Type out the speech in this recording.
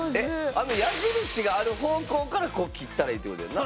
あの矢印がある方向からこう切ったらいいってことやんな。